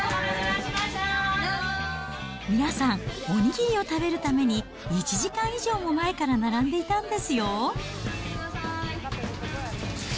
皆さん、お握りを食べるために１時間以上も前から並んでいたんですよ。